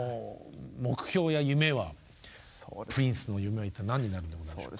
プリンスの夢は一体何になるんでございましょうか？